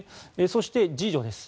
そして、次女です。